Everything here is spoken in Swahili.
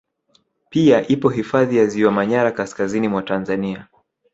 Pia ipo hifadhi ya Ziwa manyara kaskazini mwa Tanzania